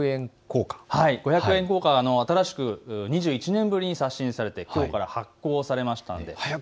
五百円硬貨、２１年ぶりに刷新されてきょうから発行されました。